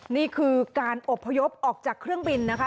นี่คือการอบพยพออกจากเครื่องบินนะคะ